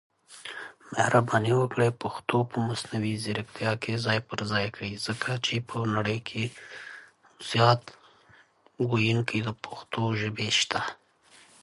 One of the owners in the early days was Aaron Ross.